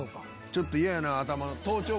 ちょっと嫌やな。